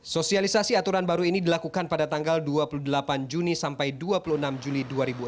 sosialisasi aturan baru ini dilakukan pada tanggal dua puluh delapan juni sampai dua puluh enam juli dua ribu enam belas